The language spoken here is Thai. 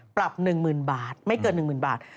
ปรับ๑๐๐๐บาทไม่เกิน๑๐๐๐บาท